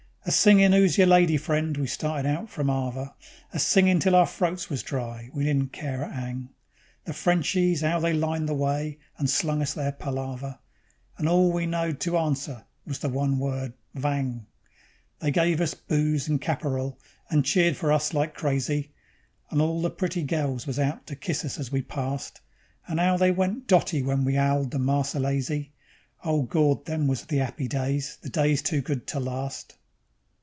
_ A singin' "'Oo's Yer Lady Friend?" we started out from 'Arver, A singin' till our froats was dry we didn't care a 'ang; The Frenchies 'ow they lined the way, and slung us their palaver, And all we knowed to arnser was the one word "vang"; They gave us booze and caporal, and cheered for us like crazy, And all the pretty gels was out to kiss us as we passed; And 'ow they all went dotty when we 'owled the Marcelaisey! Oh, Gawd! Them was the 'appy days, the days too good to last.